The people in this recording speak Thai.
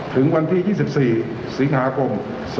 ถึงวันที่๒๔สีงากลม๒๕๖๕